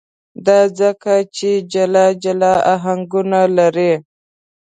دا ځکه چې جلا جلا آهنګونه لري.